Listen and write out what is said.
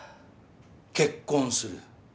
結婚する。